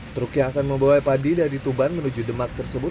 truk yang akan membawa padi dari tuban menuju demak tersebut